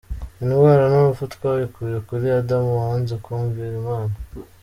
Indwara n’urupfu twabikuye kuli Adamu wanze kumvira imana.